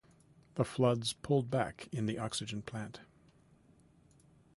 The floods pulled back in the oxygen plant.